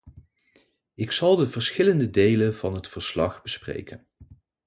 Ik zal de verschillende delen van het verslag bespreken.